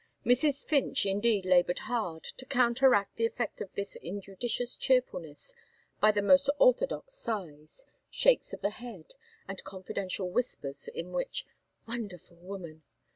Mrs. Finch indeed laboured hard _to _counteract the effect of this injudicious cheerfulness by the most orthodox sighs, shakes of the head, and confidential whispers, in which "wonderful woman!"